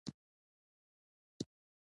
د پنجشیر زمرد په نړۍ کې بې ساري کیفیت لري.